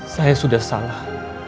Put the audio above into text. saya sudah salah